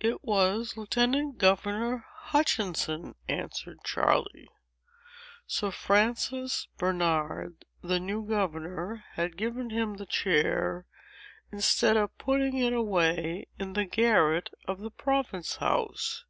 "It was Lieutenant Governor Hutchinson," answered Charley. "Sir Francis Bernard, the new governor, had given him the chair, instead of putting it away in the garret of the Province House.